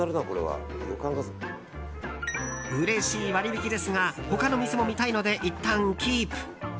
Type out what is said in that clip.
うれしい割引ですが他の店も見たいのでいったんキープ。